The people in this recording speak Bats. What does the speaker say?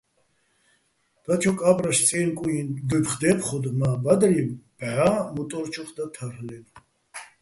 დაჩო კა́პრაშ-წე́გეჼ-კუიჼ დუ́ფხო̆ დე́ფხოდო̆ მა́, ბადრი ბჵა მუტო́რჩოხ და თარლ'ენო̆.